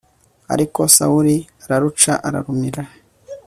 Ariko Sawuli araruca ararumira